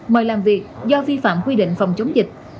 mời làm việc do vi phạm quy định phòng chống dịch